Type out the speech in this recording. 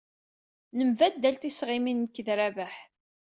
Nembaddal tisɣimin nekk d Rabaḥ.